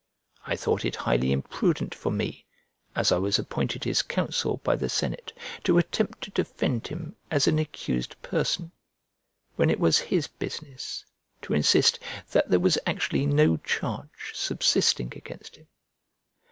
I thought it highly imprudent for me, as I was appointed his counsel by the senate, to attempt to defend him as an accused person, when it was his business to insist that there was actually no charge subsisting against him.